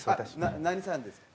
あっ何さんですか？